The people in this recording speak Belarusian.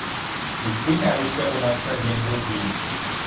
І спыняліся ў нас на дзень-другі.